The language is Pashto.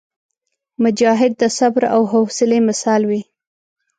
مجاهد د صبر او حوصلي مثال وي.